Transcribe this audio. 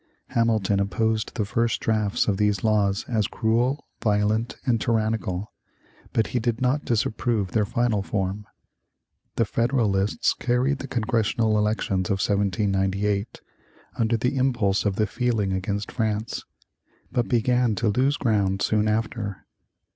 Hamilton opposed the first drafts of these laws as cruel, violent, and tyrannical, but he did not disapprove their final form. The Federalists carried the congressional elections of 1798, under the impulse of the feeling against France, but began to lose ground soon after.